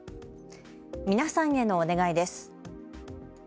皆さんへのお願いです。